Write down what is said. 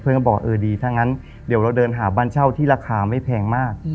บอกเออดีถ้างั้นเดี๋ยวเราเดินหาบ้านเช่าที่ราคาไม่แพงมาก